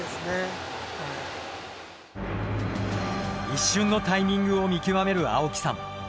一瞬のタイミングを見極める青木さん。